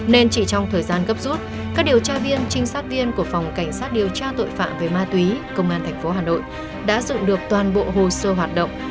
nên chỉ trong thời gian gấp rút các điều tra viên trinh sát viên của phòng cảnh sát điều tra tội phạm về ma túy đã dụng được toàn bộ hồ sơ hoạt động